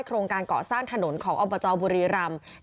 โรงการเกาะสร้างถนนของอบจบุรีรำ